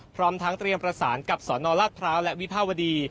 พร้อมทั้งเตรียมประสานกับสนราชพร้าวและวิภาวดี